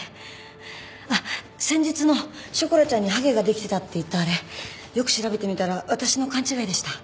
あっ先日のショコラちゃんにはげができてたって言ったあれよく調べてみたら私の勘違いでした。